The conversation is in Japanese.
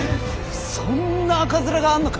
そんな赤面があんのかよ！？